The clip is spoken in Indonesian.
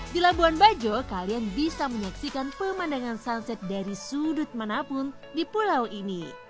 di labuan bajo kalian bisa menyaksikan pemandangan sunset dari sudut manapun di pulau ini